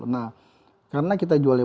nah karena kita jualnya